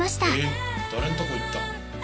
誰のとこ行ったん？